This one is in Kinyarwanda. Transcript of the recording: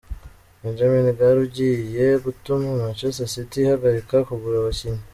Benjamin Garre ugiye gutuma Manchester City ihagarikwa kugura abakinnyi.